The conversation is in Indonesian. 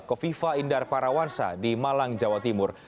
kofifa indar parawansa di malang jawa timur